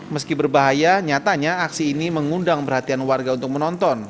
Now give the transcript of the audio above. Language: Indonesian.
meski berbahaya nyatanya aksi ini mengundang perhatian warga untuk menonton